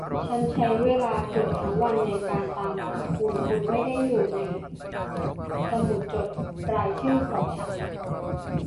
ฉันใช้เวลาเกือบทั้งวันในการตามหาคุณ คุณไม่ได้อยู่ในสมุดจดรายชื่อของฉัน